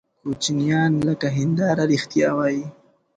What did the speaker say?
کوچنیان لکه هنداره رښتیا وایي.